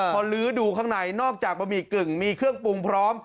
พอลื้อดูข้างในนอกจากบะหมี่กึ่งมีเครื่องปรุงพร้อม